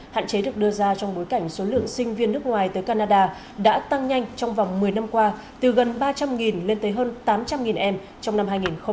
hạn chế được đưa ra trong bối cảnh số lượng sinh viên nước ngoài tới canada đã tăng nhanh trong vòng một mươi năm qua từ gần ba trăm linh lên tới hơn tám trăm linh em trong năm hai nghìn một mươi tám